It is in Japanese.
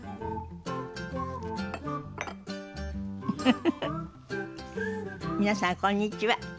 フフフフ皆さんこんにちは。